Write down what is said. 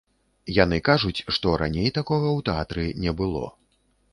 Яны кажуць, што раней такога ў тэатры не было.